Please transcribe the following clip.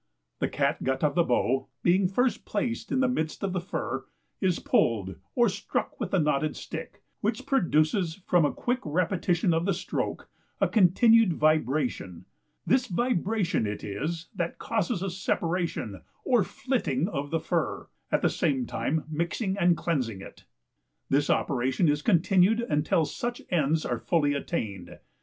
The catgut of the bow (being first placed in the midst of the fur) is pulled or struck with the knotted stick, which produces, from a quick repetition of the stroke, a continued vibration, this vibration it is that causes a separation or flitting of the fur, at the same time mixing and cleansing it. This operation is continued until such ends are fully attained.